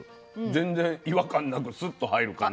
全然違和感なくスッと入る感じ。